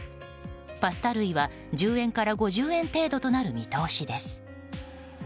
パスタ類は１０円から５０円程度となる見通しです。